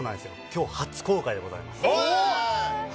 今日、初公開でございます。